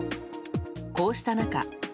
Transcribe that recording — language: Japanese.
こうした中。